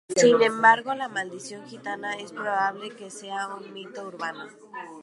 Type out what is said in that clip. Sin embargo, la maldición gitana es probable que sea un mito urbano.